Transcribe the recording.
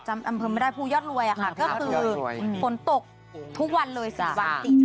อำเภอไม่ได้ภูยอดรวยอะค่ะก็คือฝนตกทุกวันเลย๑๐วันติด